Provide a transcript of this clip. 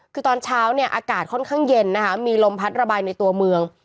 คือตอนเช้าเนี่ยอากาศค่อนข้างเย็นนะคะมีลมพัดระบายในตัวเมือง